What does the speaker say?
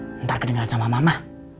ntar kedengeran sama mama